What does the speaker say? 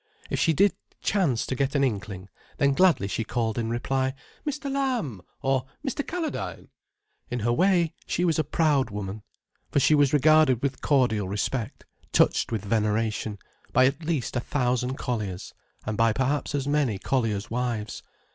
If she did chance to get an inkling, then gladly she called in reply "Mr. Lamb," or "Mr. Calladine." In her way she was a proud woman, for she was regarded with cordial respect, touched with veneration, by at least a thousand colliers, and by perhaps as many colliers' wives.